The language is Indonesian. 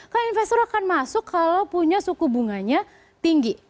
karena investor akan masuk kalau punya suku bunganya tinggi